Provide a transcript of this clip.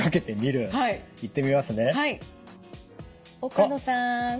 岡野さん。